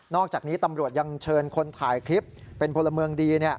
อกจากนี้ตำรวจยังเชิญคนถ่ายคลิปเป็นพลเมืองดี